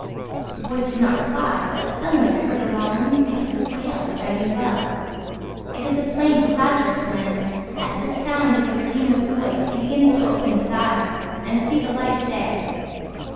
The voice did not reply, but suddenly I heard a long, beautiful wail which I knew well. It is the plaint of Lazarus when, at the sound of the Redeemer's voice, he begins to open his eyes and see the light of day.